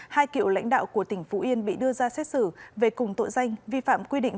hai cựu lãnh đạo của tỉnh phú yên bị đưa ra xét xử về cùng tội danh vi phạm quy định